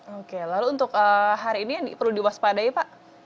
oke lalu untuk hari ini yang perlu diwaspadai pak